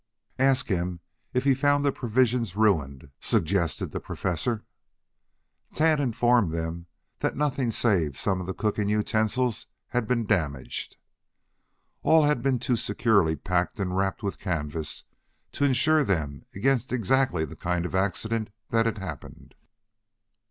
"Ask him if he found the provisions ruined?" suggested the Professor. Tad informed them that nothing save some of the cooking utensils had been damaged. All had been too securely packed and wrapped with canvas to insure them against exactly the kind of an accident that had happened.